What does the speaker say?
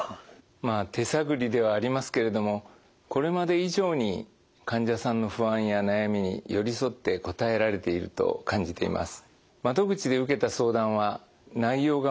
まあ手探りではありますけれどもこれまで以上に患者さんの不安や悩みに寄り添って応えられていると感じています。